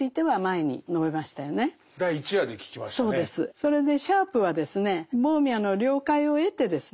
それでシャープはですねボーミャの了解を得てですね